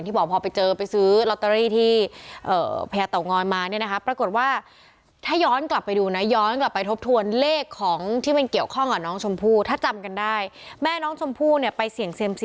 นี่ค่ะนี่คือที่ตลาดเตางอยนะครับที่คุณพ่อคุณแม่น้องชมพู่ไปมาเมื่อเย็น